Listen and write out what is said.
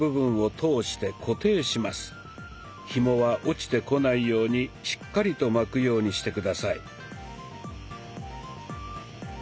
ひもは落ちてこないようにしっかりと巻くようにして下さい。